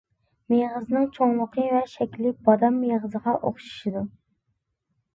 مېغىزىنىڭ چوڭلۇقى ۋە شەكلى بادام مېغىزىغا ئوخشىشىدۇ.